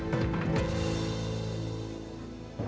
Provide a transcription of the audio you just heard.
kamu diam dulu ya